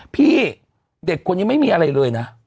พี่เด็กคนนี้ไม่มีอะไรเลยนะ